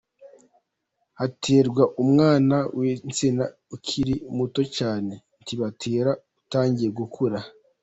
Haterwa umwana w’insina ukiri muto cyane, ntibatera utangiye gukura.